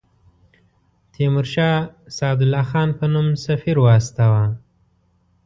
تیمورشاه سعدالله خان په نوم سفیر واستاوه.